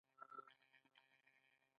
دوی آزاده سیالي یوې خواته پرېښوده